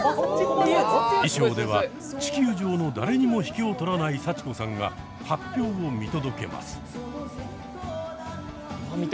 衣装では地球上の誰にも引けを取らない幸子さんが発表を見届けます。